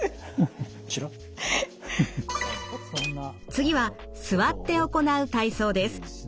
次は座って行う体操です。